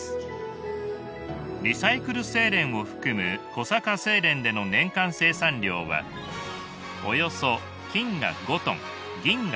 リサイクル製錬を含む小坂製錬での年間生産量はおよそ金が５ｔ銀が５００ｔ